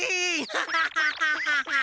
ハハハハハハ！